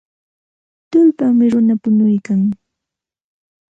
Tullpawmi runa punuykan.